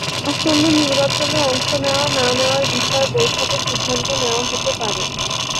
আসন্ন নির্বাচনে অংশ নেওয়া না-নেওয়ার বিষয়ে বৈঠকে সিদ্ধান্ত নেওয়া হতে পারে।